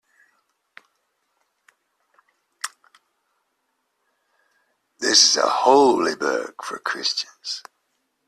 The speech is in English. This is a holy book for Christians.